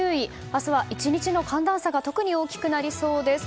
明日は１日の寒暖差が特に大きくなりそうです。